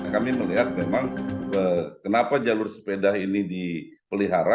kami melihat memang kenapa jalur sepeda ini dipelihara